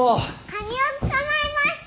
カニを捕まえました。